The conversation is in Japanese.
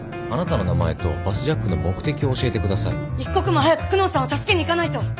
「あなたの名前とバスジャックの目的を教えてください」「一刻も早く久能さんを助けに行かないと！」